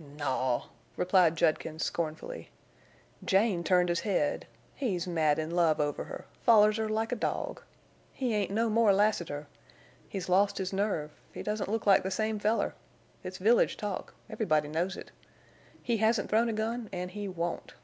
"Naw!" replied Judkins, scornfully. "Jane turned his head. He's mad in love over her—follers her like a dog. He ain't no more Lassiter! He's lost his nerve, he doesn't look like the same feller. It's village talk. Everybody knows it. He hasn't thrown a gun, an' he won't!"